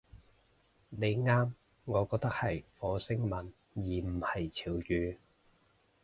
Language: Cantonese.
你啱，我覺得係火星文而唔係潮語